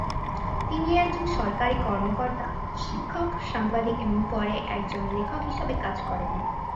তিনি একজন সরকারি কর্মকর্তা, শিক্ষক, সাংবাদিক এবং পরে একজন লেখক হিসেবে কাজ করেন।